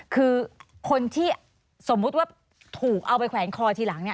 คือคนที่สมมุติว่าถูกเอาไปแขวนคอทีหลังเนี่ย